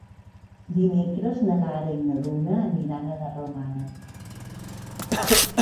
Dimecres na Lara i na Duna aniran a la Romana.